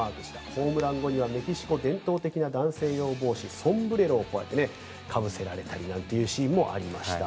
ホームラン後にはメキシコ伝統の男性用帽子、ソンブレロをこうやってかぶせられたりというシーンもありました。